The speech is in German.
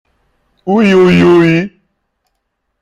Ui ui ui!